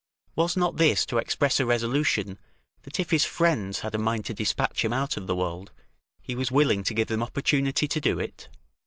Was not this to express a resolution, that if his friends had a mind to despatch him out of the world, he was willing to give them opportunity to do it?